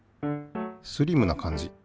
スリムな感じ。